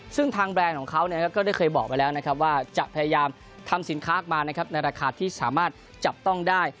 ซึ่งทางแบรนด์ของเขาก็ได้เคยบอกไปแล้วนะครับว่าจะพยายามทำสินค้าออกมานะครับในราคาที่สามารถจับต้องได้